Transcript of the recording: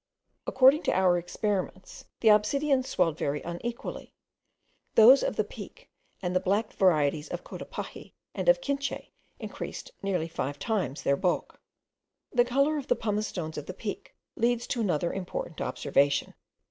According to our experiments, the obsidians swelled very unequally: those of the Peak and the black varieties of Cotopaxi and of Quinche increased nearly five times their bulk. The colour of the pumice stones of the Peak leads to another important observation.